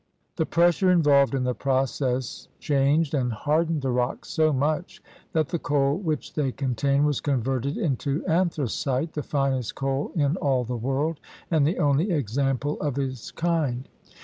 The pressure involved in the process changed and hard ened the rocks so much that the coal which they contain was converted into anthracite, the finest coal in all the world and the only example of its kind.